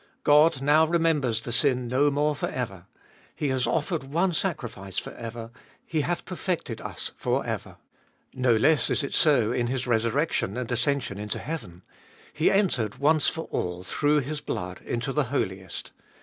God now remembers the sin no more for ever. He has offered one sacrifice for ever ; He hath perfected us for ever. No less is it so in His resurrection and ascension into heaven. He entered once for all through His blood into the Holiest.